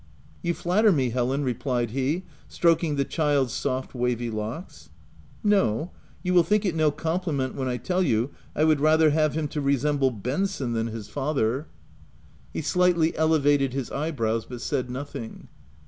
" You flatter me, Helen," replied he, stroking the child's soft, wavy locks. " Noj — you will think it no compliment when I tell you I would rather have him to resemble Benson than his father." OF WILDFELL HALL. /7 He slightly elevated his eyebrows, but said nothing.